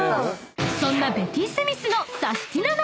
［そんなベティスミスの］